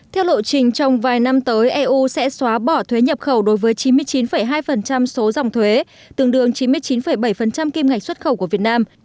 theo lộ trình trong vài năm tới eu sẽ xóa bỏ thuế nhập khẩu đối với chín mươi chín hai số dòng thuế tương đương chín mươi chín bảy kim ngạch xuất khẩu của việt nam